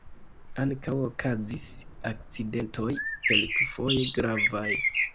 Ankaŭ okazis akcidentoj, kelkfoje gravaj.